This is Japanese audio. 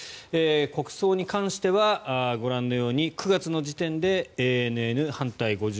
国葬に関してはご覧のように９月の時点ではＡＮＮ、反対５４％